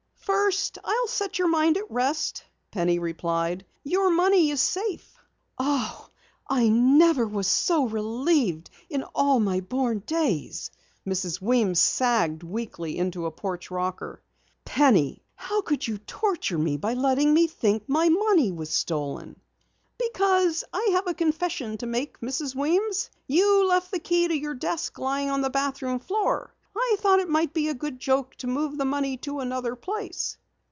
"First, I'll set your mind at rest," Penny replied. "Your money is safe." "Oh! I never was so relieved in all my born days." Mrs. Weems sagged weakly into a porch rocker. "Penny, how could you torture me by letting me think the money was stolen?" "Because I have a confession to make, Mrs. Weems. You left the key to your desk lying on the bathroom floor. I thought it might be a good joke to move the money to another place."